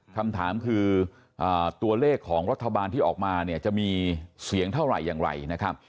คำถามคือตัวเลขของรัฐบาลที่ออกมาเนี่ยจะมีเสียงเท่าไหร่อย่างไรนะครับ